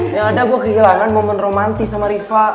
yang ada gue kehilangan momen romantis sama riva